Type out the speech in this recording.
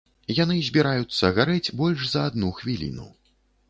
Яны збіраюцца гарэць больш за адну хвіліну.